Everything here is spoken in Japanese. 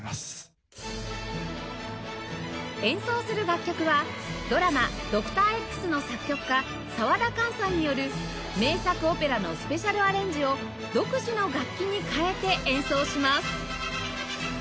演奏する楽曲はドラマ『ドクター Ｘ』の作曲家沢田完さんによる名作オペラのスペシャルアレンジを独自の楽器に代えて演奏します